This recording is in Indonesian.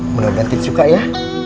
menurutkan tin suka ya